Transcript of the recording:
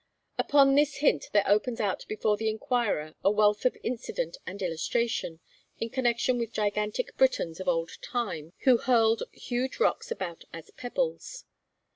Upon this hint there opens out before the inquirer a wealth of incident and illustration, in connection with gigantic Britons of old time who hurled huge rocks about as pebbles.